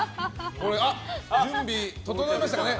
準備整いましたかね。